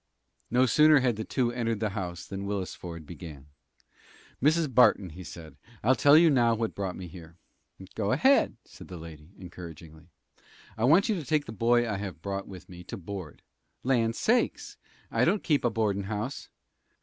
No sooner had the two entered the house than Willis Ford began. "Mrs. Barton," he said, "I'll tell you now what brought me here." "Go ahead," said the lady, encouragingly. "I want you to take the boy I have brought with me to board." "Land sakes! I don't keep a boardin' house!"